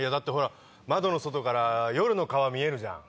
窓の外から夜の川見えるじゃん。